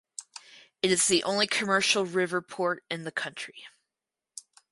It is the only commercial river port in the country.